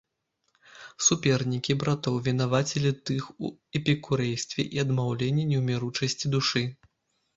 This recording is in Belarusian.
Супернікі братоў вінавацілі тых у эпікурэйстве і адмаўленні неўміручасці душы.